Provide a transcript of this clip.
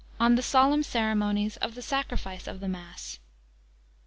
On the solemn ceremonies of the Sacrifice of the Mass.